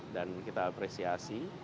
dan kita apresiasi